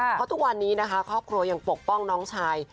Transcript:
เพราะทุกวันนี้นะคะครอบครัวยังปกป้องน้องชาย